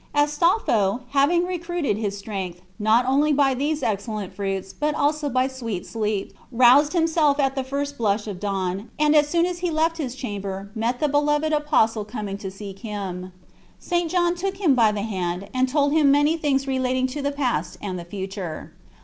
Astolpho, having recruited his strength, not only by these excellent fruits, but also by sweet sleep, roused himself at the first blush of dawn, and as soon as he left his chamber met the beloved Apostle coming to seek him. St. John took him by the hand, and told him many things relating to the past and the future.